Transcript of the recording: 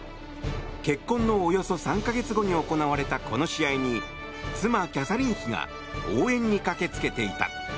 結婚のおよそ３か月後に行われたこの試合に妻キャサリン妃が応援に駆け付けていた。